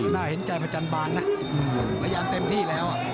น่าเห็นใจประจันบาลนะพยายามเต็มที่แล้ว